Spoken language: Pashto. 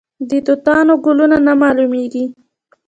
د توتانو ګلونه نه معلومیږي؟